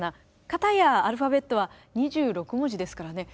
片やアルファベットは２６文字ですからね